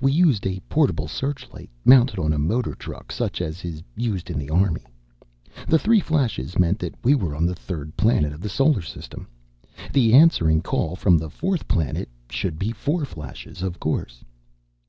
We used a portable searchlight, mounted on a motor truck, such as is used in the army. The three flashes meant that we were on the third planet of the solar system. The answering call, from the fourth planet, should be four flashes, of course.